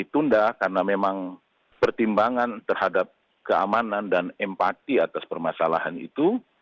ditunda karena memang pertimbangan terhadap keamanan dan empati atas permasalahan itu